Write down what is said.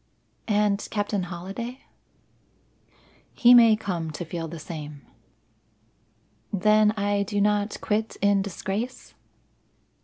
"And Captain Holliday?" "He may come to feel the same." "Then I do not quit in disgrace?"